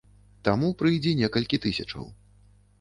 Таму прыйдзе некалькі тысячаў.